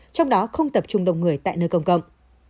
trong đó không tập trung đông người tại nơi công cộng